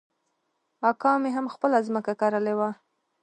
اکا مې هم خپله ځمکه کرلې وه.